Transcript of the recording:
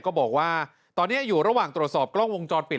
ก็บอกว่าตอนนี้อยู่ระหว่างตรวจสอบกล้องวงจรปิด